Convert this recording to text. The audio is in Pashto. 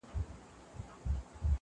چي غول خورې کاچوغه تر ملا گرځوه.